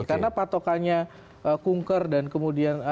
karena patokannya kunker dan kemudian